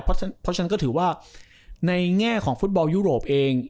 เพราะฉะนั้นก็ถือว่าในแง่ของฟุตบอลยุโรปเอง